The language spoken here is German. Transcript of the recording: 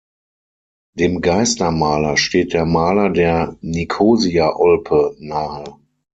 Dem Geister-Maler steht der Maler der Nikosia-Olpe nahe.